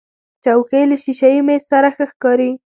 چوکۍ له شیشهيي میز سره ښه ښکاري.